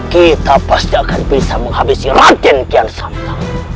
kita pasti akan bisa menghabisi raden kian santang